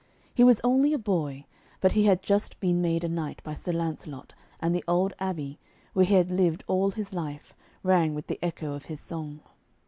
He was only a boy, but he had just been made a knight by Sir Lancelot, and the old abbey, where he had lived all his life, rang with the echo of his song.